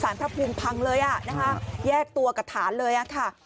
สารพัฒนภูมิพังเลยอ่ะแยกตัวกับฐานเลยค่ะ